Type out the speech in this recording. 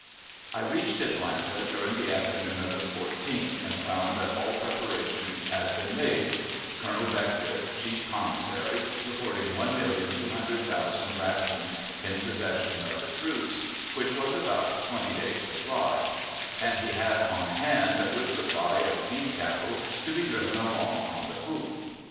I reached Atlanta during the afternoon of the 14th, and found that all preparations had been made Colonel Beckwith, chief commissary, reporting one million two hundred thousand rations in possession of the troops, which was about twenty days' supply, and he had on hand a good supply of beef cattle to be driven along on the hoof.